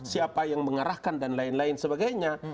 siapa yang mengarahkan dan lain lain sebagainya